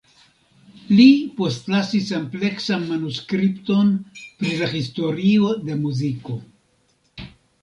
Li postlasis ampleksan manuskripton pri la historio de muziko.